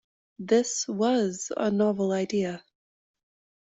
This was a novel idea.